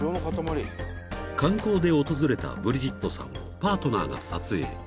［観光で訪れたブリジットさんをパートナーが撮影］